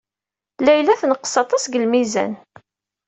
Layla tenqes aṭas deg lmizan.